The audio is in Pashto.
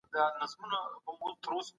ايا حضوري زده کړه د مهارت پراختیا تضمینوي؟